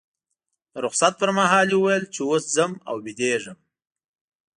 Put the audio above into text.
د رخصت پر مهال یې وویل چې اوس ځم او بیدېږم.